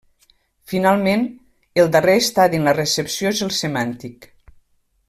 Finalment, el darrer estadi en la recepció és el semàntic.